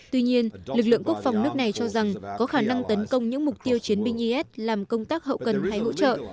tuy nhiên lực lượng quốc phòng nước này cho rằng có khả năng tấn công những mục tiêu chiến binh is làm công tác hậu cần hay hỗ trợ